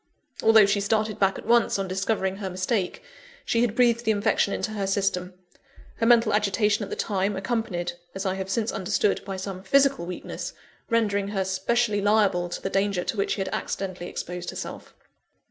Although she started back at once, on discovering her mistake, she had breathed the infection into her system her mental agitation at the time, accompanied (as I have since understood) by some physical weakness, rendering her specially liable to the danger to which she had accidentally exposed herself.